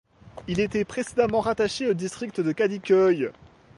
Il était précédemment rattaché au district de Kadıköy.